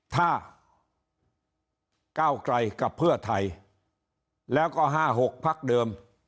ถ้าก้าวไกลกับเพื่อไทยแล้วก็๕๖พักเดิม